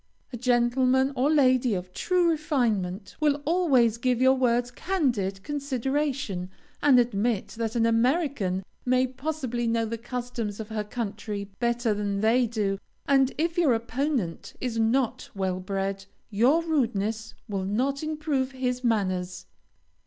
A gentleman or lady of true refinement will always give your words candid consideration, and admit that an American may possibly know the customs of her country better than they do, and if your opponent is not well bred, your rudeness will not improve his manners.